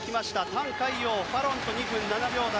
タン・カイヨウ、ファロンと２分７秒台。